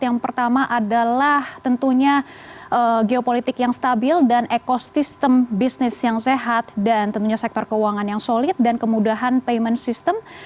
yang pertama adalah tentunya geopolitik yang stabil dan ekosistem bisnis yang sehat dan tentunya sektor keuangan yang solid dan kemudahan payment system